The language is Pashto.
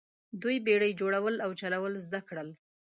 دوی بیړۍ جوړول او چلول زده کړل.